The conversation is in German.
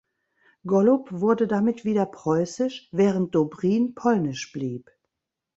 Gollub wurde damit wieder preußisch, während Dobrin polnisch blieb.